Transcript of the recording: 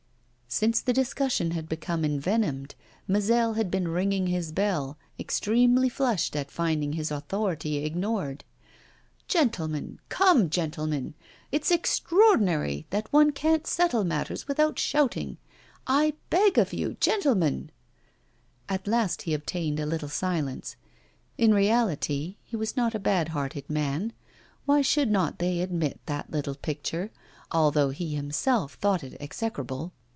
Since the discussion had become envenomed, Mazel had been ringing his bell, extremely flushed at finding his authority ignored. 'Gentlemen come, gentlemen; it's extraordinary that one can't settle matters without shouting I beg of you, gentlemen ' At last he obtained a little silence. In reality, he was not a bad hearted man. Why should not they admit that little picture, although he himself thought it execrable?